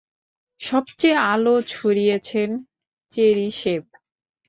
সবচেয়ে আলো ছড়িয়েছেন চেরিশেভ।